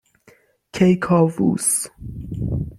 کیکاووس